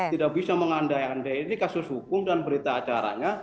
tidak bisa mengandai andai ini kasus hukum dan berita acaranya